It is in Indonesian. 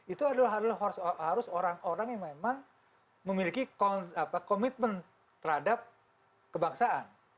itu adalah harus orang orang yang memang memiliki komitmen terhadap kebangsaan